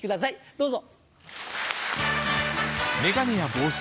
どうぞ。